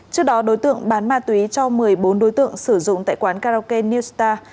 trước đó đối tượng bán ma túy cho một mươi bốn đối tượng sử dụng tại quán karaoke newsar